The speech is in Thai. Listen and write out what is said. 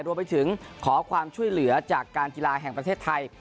รวมไปถึงขอความช่วยเหลือจากการกีฬาแห่งประเทศไทย